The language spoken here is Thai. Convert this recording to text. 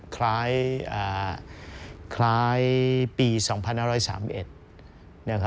คล้ายปี๒๕๓๑